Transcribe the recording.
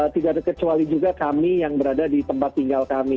tidak ada kecuali juga kami yang berada di tempat tinggal kami